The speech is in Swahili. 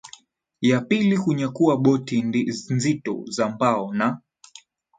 ya pili kunyakua boti nzito za mbao na